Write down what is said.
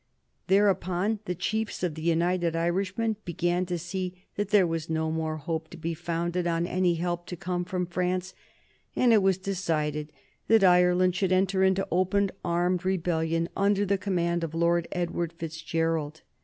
Thereupon the chiefs of the United Irishmen began to see that there was not much hope to be founded on any help to come from France, and it was decided that Ireland should enter into open armed rebellion under the command of Lord Edward Fitzgerald.